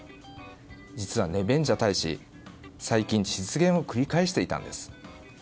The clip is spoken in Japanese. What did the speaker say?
実は、ネベンジャ大使は最近失言を繰り返していたんです。